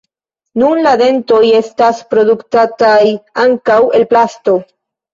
Nun la dentoj estas produktataj ankaŭ el plasto.